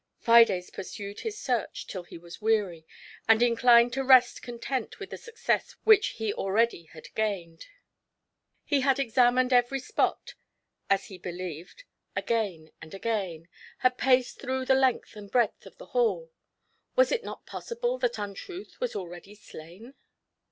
Fides pursued his search till he was weary, and in clined to rest content with the success which he already had gained. He ' had examined every spot, as he be lieved, again and again, had paced through the length and the breadth of the hall; was it not possible that Untruth was already slain